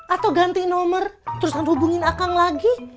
atau ganti nomer terus hubungin akang lagi